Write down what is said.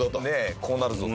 こうなるぞと。